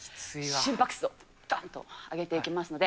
心拍数をがんと上げていきますので。